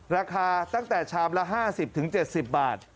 ราคาตั้งแต่ชามละ๕๐๗๐บาท